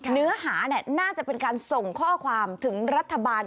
เนื้อหาน่าจะเป็นการส่งข้อความถึงรัฐบาล